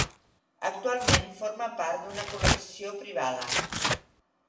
Actualment forma part d'una col·lecció privada.